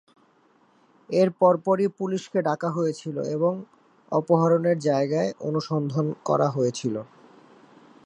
এর পরপরই পুলিশকে ডাকা হয়েছিল এবং অপহরণের জায়গায় অনুসন্ধান করা হয়েছিল।